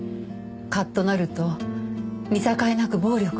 カッとなると見境なく暴力を。